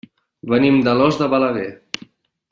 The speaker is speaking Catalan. Venim d'Alòs de Balaguer.